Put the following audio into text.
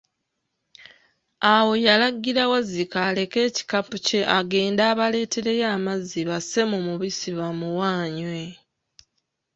Awo yalagira Wazzike aleke ekikapu kye agende abaleetereyo amazzi basse mu mubisi bamuwe anywe.